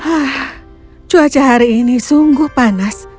ah cuaca hari ini sungguh panas